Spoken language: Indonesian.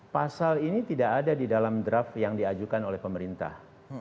pasal ini tidak ada di dalam draft yang diajukan oleh pemerintah